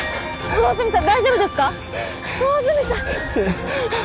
魚住さん